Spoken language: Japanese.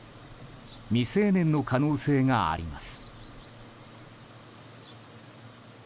未成年の可能性があります。